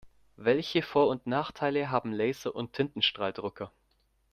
Welche Vor- und Nachteile haben Laser- und Tintenstrahldrucker?